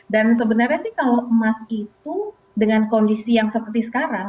dan sebenarnya sih kalau emas itu dengan kondisi yang seperti sekarang